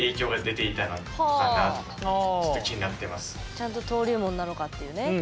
ちゃんと登竜門なのかっていうね。